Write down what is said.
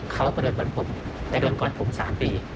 เขาก็เดินเหมือนผมแต่เดินก่อนผมสามปี